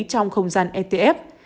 trong không gian etf